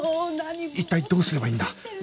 一体どうすればいいんだ？